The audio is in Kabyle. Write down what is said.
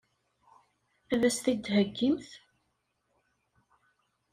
Ad as-t-id-theggimt?